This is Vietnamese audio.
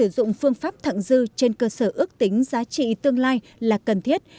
dụng phương pháp thẳng dư trên cơ sở ước tính giá trị tương lai là cần thiết